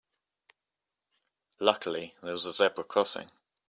Luckily there was a zebra crossing.